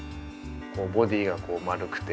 ボディーがこう丸くて。